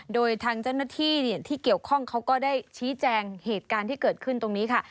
โดยทางเจ้าหน้าที่ที่เกี่ยวข้องเขาก็ได้ชี้แจงเหตุการณ์ที่เกิดขึ้นตรงนี้ค่ะ